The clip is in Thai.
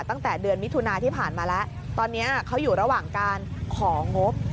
ตั้งแต่เดือนมิถุนาที่ผ่านมาแล้วตอนนี้เขาอยู่ระหว่างการของงบ